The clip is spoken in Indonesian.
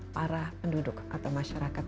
para penduduk atau masyarakat